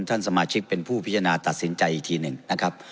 ท่านสมาชิกเป็นผู้พิจารณาตัดสินใจอีกทีหนึ่งนะครับ